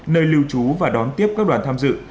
nơi lưu trú và đón tiếp các đoàn tham dự